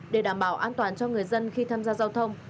để đảm bảo an toàn cho người dân khi tham gia giao thông